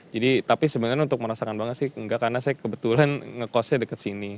jadi tapi sebenarnya untuk merasakan banget sih nggak karena saya kebetulan ngekostnya dekat sini